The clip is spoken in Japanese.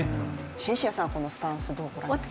シンシアさん、このスタンス、どうご覧になりますか？